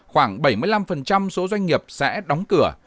khoảng bảy mươi năm số doanh nghiệp sẽ đóng cửa